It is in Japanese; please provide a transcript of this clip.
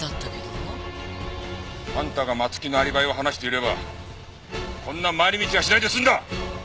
あんたが松木のアリバイを話していればこんな回り道はしないで済んだ！